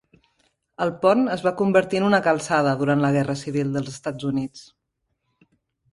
El pont es va convertir en una calçada durant la Guerra Civil dels Estats Units.